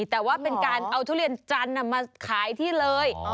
แต่ว่าเป็นการเอาทุเรียนจันทร์มาขายที่เลย